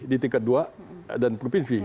di tingkat dua dan provinsi